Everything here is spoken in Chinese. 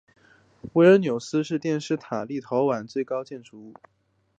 维尔纽斯电视塔是立陶宛最高的建筑物。